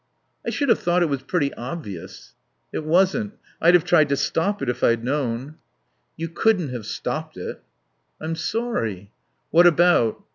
"I should have thought it was pretty, obvious." "It wasn't. I'd have tried to stop it if I'd known." "You couldn't have stopped it." "I'm sorry." "What about?"